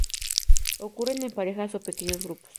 Ocurren en parejas o pequeños grupos.